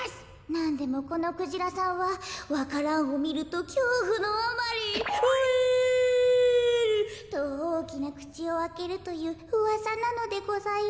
なんでもこのクジラさんはわか蘭をみるときょうふのあまりホエールとおおきなくちをあけるといううわさなのでございます。